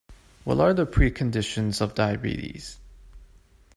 What are the preconditions of diabetes?